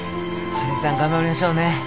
春江さん頑張りましょうね。